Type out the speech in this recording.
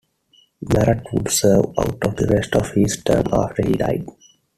Barrett would serve out the rest of his term after he died.